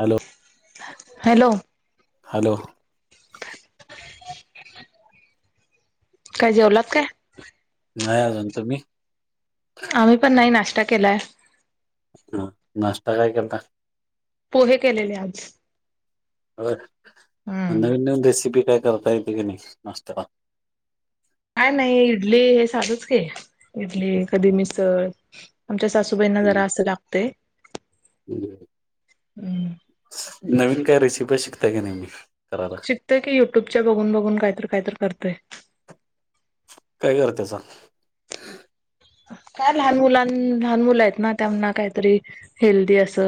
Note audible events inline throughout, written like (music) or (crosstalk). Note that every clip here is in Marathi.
Hello hello hello. काय जेवलात का? नाही अजून तुम्ही आम्ही पण नाही नाश्ता केलाय. ह नाश्ता काय केलता? पोहे केलेले आज. अ हम्म म्हन रेसिपी काय करता येते काय नाही नसता ला? काय नाही इडली हे साधूच्या का इडली कधी मिसळ. आमच्या सासूबाईंना जरा हम्म, असं लागते. नवीन काय रेसिपी शिकता का नेहमी ममी कराला. शिकतय की युट्यूबच्या बघून बघून कायरीत काय तर करतंय. काय कर त्याचा काय लहान मुलां लहान मुलं आहेत ना त्यांना काहीतरी हेल्दी अस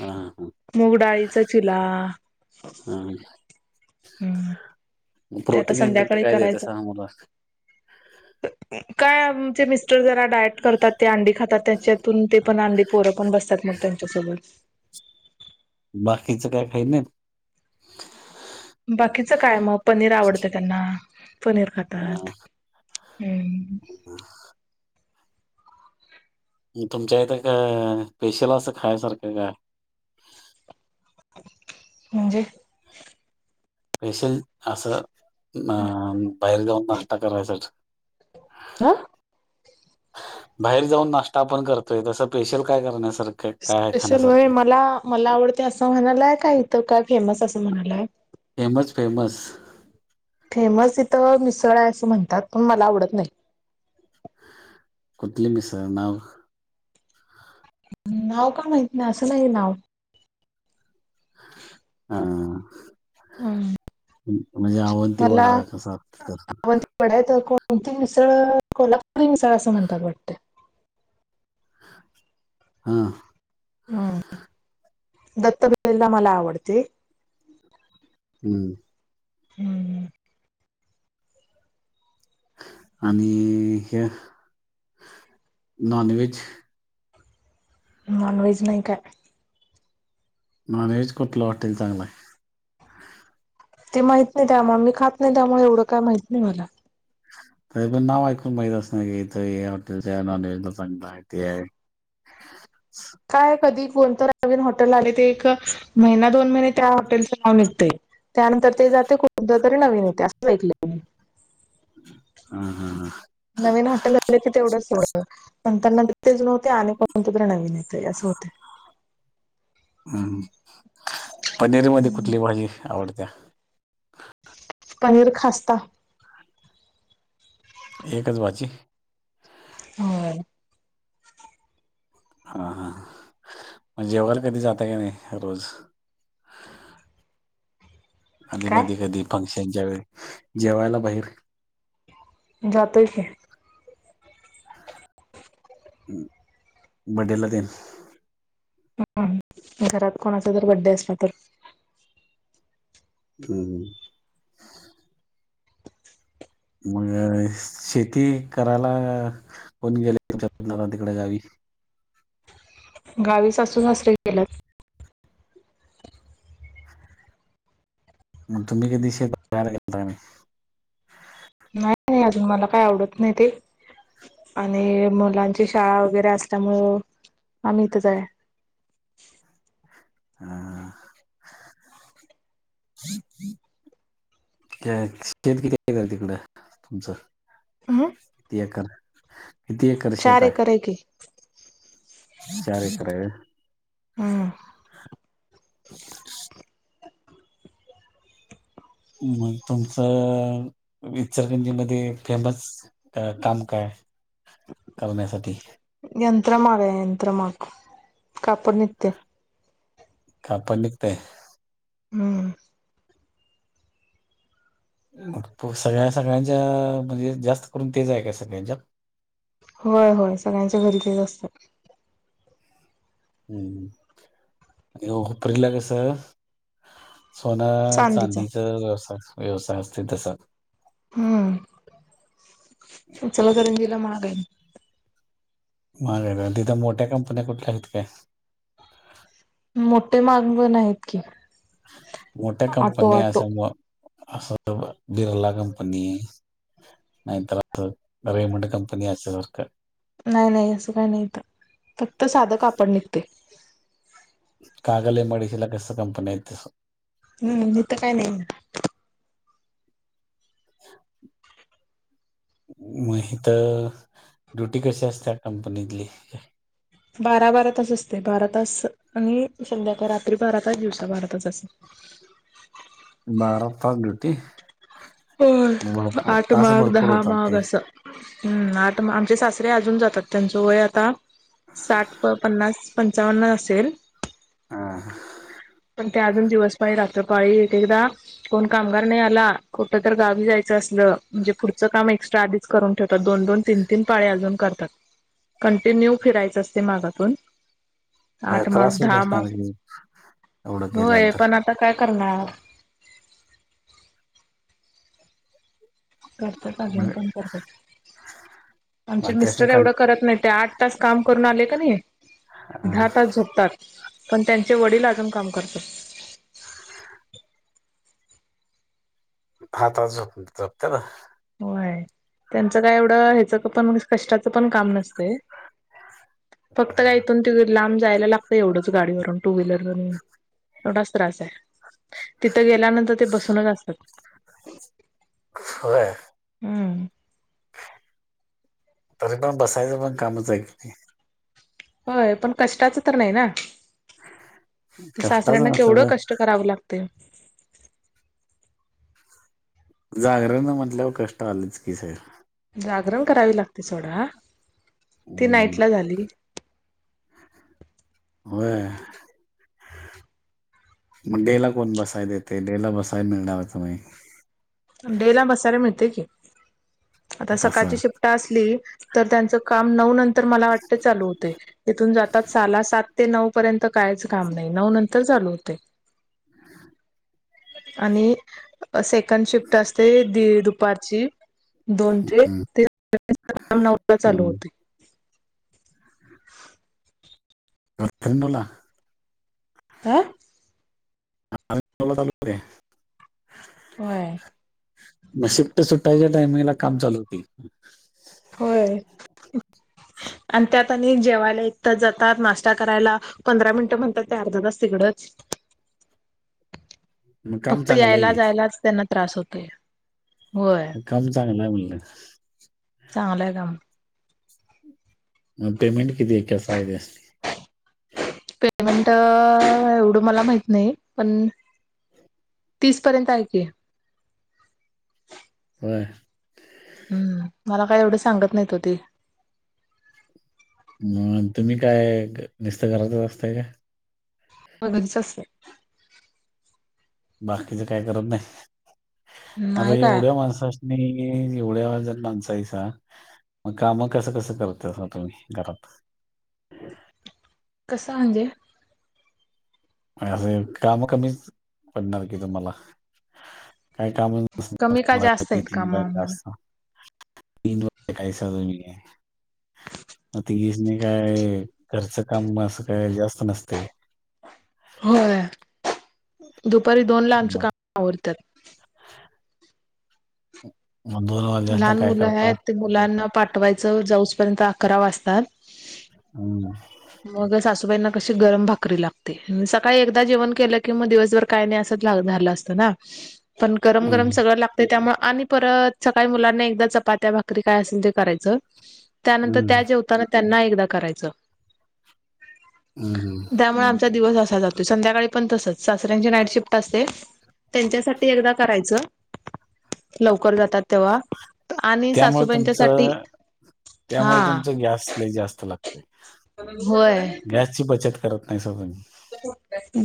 हा हा मग डाळीचा चिला हा म ते आता प्रोटीन इंटेक्ट संध्याकाळी काय देत सहाला करायचं मुला काय आमचे मिस्टर जरा डाएट करतात ते अंडी खातात त्याच्यातून ते पण अंडी पोरं पण बसतात मग त्यां तसंच बाकीचं काय खही नाहीत. बाकीचं काय मग पनीर आवडतं त्यांना पनीर खातात हम् ह मग तुमच्या इथं का स्पेशल असं खायसारखं काय? म्हणजे पेशील असं अ बाहेर जाऊनताा करायसाठी ह बाहेर जाऊन नाश्ता आपण करतोय तसं पेशल काय करण्यासारखं काय आहे स्पेशल वे खाण्यासारखं मला मला आवडते असं म्हणालाय का इथं काय फेमस असं म्हणालाय. फेमस फेमस फेमस इथं मिसळ आहे असं म्हणतात पण मला आवडत नाही. कोतवाल म सर नाव नाव का माहिती नाही असं नाही नाव हा हम्म म्हणजे आवनती वडा कस तर पढायत कोणती मिसळ कोल्हापूरी मिसळ असं म्हणतात वाटते. हा हम दत्त बळेला मला आवडते. हम्म हम्म आणि हे नॉन व्ज नाॉनवज नाही काय? नॉन वज कोटला हॉटेल चांगला. ते माहत नाही त्यामुळे मी खात नाही त्यामुळे एवढं काय माहत नाही मला त पण नाव ऐकून माहित अस ना कीथ हॉटेलच्या नॉनव्हेज ला चांगलं आहे ते काय कधी कोणतं नवीन हॉटेल आले ते एक महिना दोन महिने त्या हॉटेलचं नाव निघतय. त्यानंतर ते जाते कोुणत तरी नवीन येते असं ऐकलं. ह हा ह नवीन हॉटेल आले की तेवढंच एवढं नंत न तेच नव्हते आणि कोण तु तर्र नवीन येते असं होते. हम् पनीरी म कुठली भाजी आवडत्या पनीर खस्ता. एकच भाजी ह हा हा म्हण जेवला कधी जाताय का नाही रोज आधी मधी काय कधी फंक्शनच्या वेळे जेवायला बाहेर जातो का? बडल दिन ह घरात कोणाचा जर बड्डे असला तर हम्म मग शेती करायला कोणी गेले (unintelligible) तिकडे गावी. गावी सासू सासरे गेल्यात. मग तुम्ही कधी शे तयार करताय. नाही नाही अजून मला काय आवडत नाही ते. आणि मुलांची शाळा वगैरे असल्यामुळ आम्ही इथंच हाय. हा. शेत किती (unintelligible) तिकडं तुमचं? हम्म. किती एकर, किती एकर शेत आहे? काय की. चार एकर हाय वय. हम्म. मग तुमचं, इचलकरंजी मध्ये फेमस. अ काम काय? करण्यासाठी. यंत्रमाग हाय यंत्रमाग, कापड निगतय. कापड निघतय. हम्म. सगळ्या सगळ्यांच्या म्हणजे जास्त करून तेच आहे काय सगळ्यांच्यात. होय होय सगळ्यांच्या घरी तेच असतय. हम्म, उपरीला कस. सोन, चांदीचा चांदीच व्यवसा व्यवसाय असतय तस. हम्म, चलाकरंजीला महाग आहे. मा तिथं मोठ्या कंपन्या कुठल्या आहेत काय? मोठे माग पण आहेत की. मोठ्या ऑटो कंपनी्या ऑटो असं म असं बिरला कंपनी, नाहीतर (unintelligible) रेमंड कंपनी अस्या सारक. नाही नाही असं काही नाही इथं, फक्त साधं कापड निघतय. Kagal M I D C कस कंपनी हाईत तसं. हम्म हितं काय नाही. (inaudible) म हित ड्युटी कशी असत्या कंपनीतली. बारा, बारा तास असते बारा तास. आणि संध्याकाळ रात्री बारातास दिवसा बाराताच असं. बारा तास ड्युटी. होय भरपूर आठ तास माग, भरपूर दहा होतात ते माग असं. हम्म आठ आमचे सासरे अजून जातात त्यांचं वय आता साठ प पन्नास पंचावन्न असेल. हा. पण ते अजून दिवस पाळी, रात्र पाळी एक एकदा कोण कामगार नाही आला कुठं तर गावी जायचं असलं म्हणजे पुढचं काम एक्स्ट्रा आधीच करून ठेवतात दोन-दोन, तीन तीन पाळे अजून करतात, कंटिन्यू फिरायच असते मागातून. आठ म्हणजे माग, त्रास होत दहा माग, असणार की एवढं होय केल्यानंतर पण आता काय करणार. मग- आमचे मग त्याने मिस्टर का एवढं करत नाही ते आठ तास काम करून आले का नाही, हा. दहा तास झोपतात. पण त्यांचे वडील अजून काम करतात. (inaudible) दहा तास झोप झोपत्यात. होय, त्यांचं काय एवढं ह्याचं पण कष्टाचं पण काम नसतेय. फक्त काय इथून त लांब जायला लागतं एवढंच गाडीवरून टू व्हीलर वरून. एवढाच त्रास आहे, तिथं गेल्यानंतर ते बसूनच असतात. ह हम् तरी पण बसायचं पण कामच ऐक नाही. होय, पण कष्टाच तर नाही ना सासऱ्यांना कष्टाचं नसतं केवढं तर कष्ट. करावं लागते जागर न म्हटल्यावर कष्ट आलेच की साहेब. जागरण करावी लागते सोडा ती नाईट ला झाली. अ मग डे ला कोण बसाय देते डे ला बसायला मिळणार तुम्ही डे ला मसाले मिळते की आता सकाळची कसं शिफ्टा असली. तर त्यांच काम नऊ नंतर मला वाटत चालू होते तथून जातात साला सात ते नऊ. पर्यंत काहीच काम नाही नऊ नंतर चालू होते. आणि सेकंड शिफ्ट असते दुपारची. दोन ते ते नऊ चालू होते. रडुला ह टोला तालुके. होय. शिट्ट सुट्टायच्या टाइमिंगला काम चालू होती. होय आणि त्यात आणि जेवायला एक तर जातात नाश्ता करायला. पंधरा मिनिटं म्हणतात ते अर्धा तच तिकडंच (unintelligible) मग काम फक्त चांगलं यायला आहे की. जायलाच त्यांना त्रास होतोय वर. मग काम जागं ना आ म्हणलं. चांगलंय काम मग पेमेंट किती आहे कस आहे ते पेमेंट एवढं मला माहत नाही पण तीसपर्यंत ऐक. हो हम्म मला काय एवढी सांगत नाहीत हो ते मग तुम्ही काय नुस्त घरातच असताय का? मगदीच अस. बाकीचं काय करत नाही आता नाही काय एवढ्या माणसा नाही एवढ्या वजण माणसायचा मग काम कसं कसं करते असं तुम्ही घरात. कस म्हणजे? असे काम कमी पडणार कि तुम्हाला. काही कामसला त कमी का जास्त आहेत कामा आम्हाला तनयस्ता तीन वा काही सज आहे. म तज नाही काय घरचं काम असं काय जास्त नसते. होय. दुपारी दोन ला आमचं काम आवरतात. ह मग दूरवाले असता लहान काय मुलं करता आहेत ते मुलांना पाठवायचं जाऊजपर्यंत अकरा वाजतात. हम् मग सासूबाईंना कशी गरम भाकरी लागते सकाळी एकदा जेवण केलं कि मग दिवसभर. काही नाही असंच ला धलं असतं ना (unintelligible) पण गरम गरम हम्म, सगळ लाग त्यामुळे आणि परत सकाळी मुलांना एकदा चपात्या भाकरी काय असेल ते करायचं त्यानंतर त्या हम्म, जेवताना, त्यांना एकदा करायचं, हम, त्यामुळे आमचा दिवस असा जातो, संध्याकाळी पण तसच, सासऱ्यांची नाईट शिफ्ट असते. त्यांच्यासाठी एकदा करायचं, लवकर जातात तेव्हा, आणि त्यामुळे सासूबाईंच्यासाठी तुमचं, त्यामुळे हा तुमच गॅस लई जास्त लागतय, होय, गॅसची बचत करत, नाहीसा तुम्ही,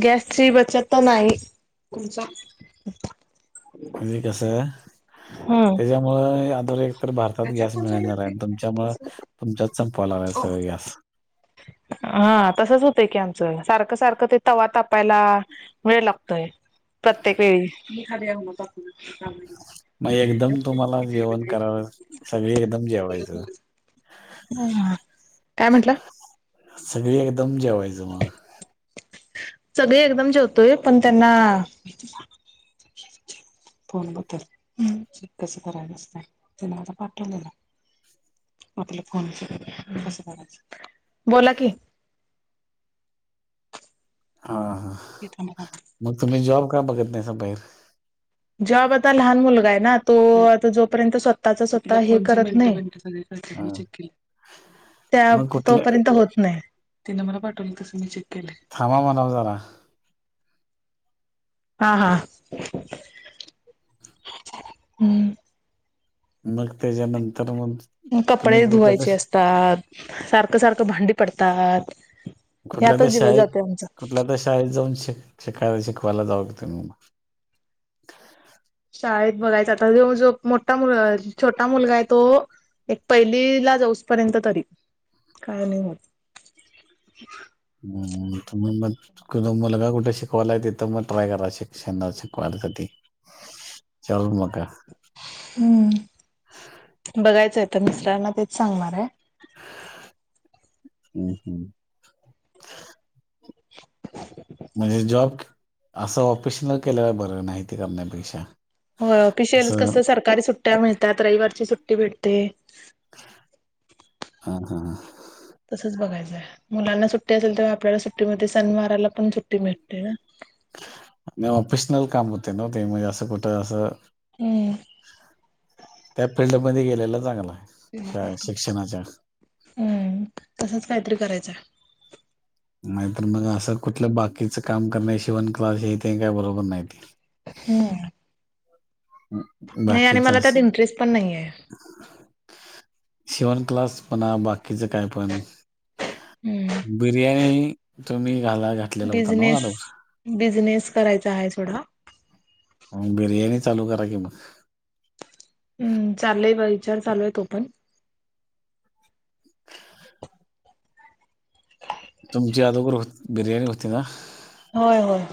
गॅसची बचत तर नाही, (unintelligible) म्हणजे कसं, हम्म, त्याच्यामुळे ह्याअगोदर, तर भारतात गॅस मिळना झालं आणि, तुमच्यामुळे तुमच्यात संपालावायचा सगळागॅस, हा तसच होतंय की आमचं, सारखं, सारखं ते तवा तापायला वेळ लागतय, प्रत्येक वेळी, (unintelligible) मग एकदम तुम्हाला, जेवण करावं सगळे एकदम जेवायचं, काय म्हटला? सगळी एकदम जेवायचं, मग. सगळे एकदम जेवतोय, पण त्यांना, फोन बदल कसं करायच असत्य, तेन आता पाठवलेलं ना, आपलं फोन च कसं करायच, बोला की, हा, (unintelligible) मग तुम्ही जॉब का बघत नाहीस बाहेर, जॉब आता लहान मुलगा आहे ना, तो आता जोपर्यंत, स्वतःचा स्वतः हे करत नाही, हा त्या, मग कुठल्या तोपर्यंत होत नाही, तिने मला पाठवलं तसं, मी चेक केलं, थांबा म्हणव जरा, हा, हा हम्म, मग, त्याच्यानंतर मग तुम्ही कपडे कुठल्या धुवायचे तर असतात, सारखं, सारखं भांडी पडतात, कुठल्या तर ह्यातच दिवस शाळेत जातोय आमचा कुठल्या, तर शाळेत जाऊन शिक शिकाय शिकवायला, जावा की तुम्ही म, शाळेत बघायचा आता, जो जो मोठा मु छोटा मुलगा आहे तो एक पहिली ला जाऊसपर्यंत तरी, काय नाही होत, हम, तुम्ही मग तुमचं मुलगा कुठे शिकवायला आहे, तेथे मग ट्राय करा, शिक्षण शिकवायत ते, (unintelligible) मग का, हम्म, बघायचंय आता मिस्टरना तेच सांगणार आहे, हम्, हम्, (unintelligible) म्हणजे जॉब, असं ऑपेशनल केलेला बरं, नाही ते करण्यापेक्षा, हो ओपिशल असं कसं सरकारी सुट्ट्या मिळतात, रविवारची सुट्टी भेटते, हा, हा, ह तसच बघायचंय, मुलांना सुट्टी असेल तेव्हा आपल्याला, सुट्टीमध्ये सनवाराला पण सुट्टी भेटते ना, आणि ऑफेशनल काम होते नव्ह, ते म्हण असं कुठं असं हम्, त्या फिल्डमध्ये, गेलेला चांगलं आहे. शाळेत शिक्षणाच्या. हम्म, तसच काहीतरी करायचं, नाहीतर मग असं कुठलं बाकीचं काम करणे, शिवण क्लास, हे ते काय बरोबर नाही ते, हम् आणि बाकीच मला त्यात इंटरेस्ट पण नाही आहे. शिवण क्लास पणा बाकीच काय पण हम्म बिर्याणी तुम्ही घाला का बिझनेस बिझनेस करायचा आहे थोडा बिर्याणी चालू करा की मग ह्म चालय बा विचार चालूय तो पण ज्याातर हो बिरयाणी होती ना होय होय